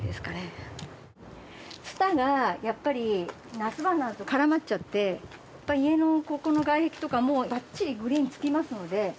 ツタがやっぱり夏場になると絡まっちゃって家のここの外壁とかもばっちりグリーン付きますので。